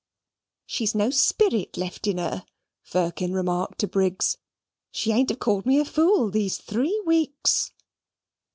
"She's no spirit left in her," Firkin remarked to Briggs; "she ain't ave called me a fool these three weeks."